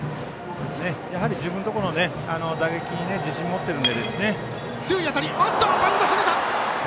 やはり自分のところの打撃に自信を持っているので。